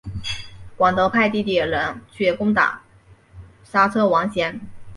广德派弟弟仁去攻打莎车王贤。